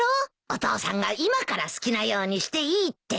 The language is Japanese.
お父さんが今から好きなようにしていいって。